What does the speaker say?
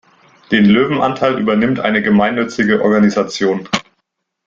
Den Löwenanteil übernimmt eine gemeinnützige Organisation.